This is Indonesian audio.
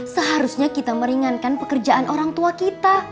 seharusnya kita meringankan pekerjaan orang tua kita